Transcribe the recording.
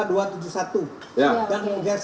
dua ratus tujuh puluh satu ya dan geser